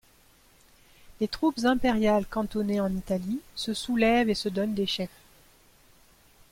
Les troupes impériales cantonnées en Italie se soulèvent et se donnent des chefs.